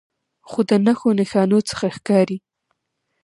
خو د نښو نښانو څخه ښکارې